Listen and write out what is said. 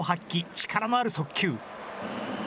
力のある速球。